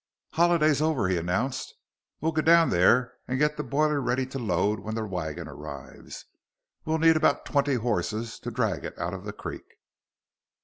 "Holiday's over," he announced. "We'll go down there and get the boiler ready to load when the wagon arrives. We'll need about twenty horses to drag it out of the creek."